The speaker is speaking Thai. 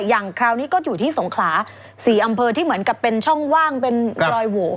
อย่างคราวนี้ก็อยู่ที่สงขลา๔อำเภอที่เหมือนกับเป็นช่องว่างเป็นรอยโหว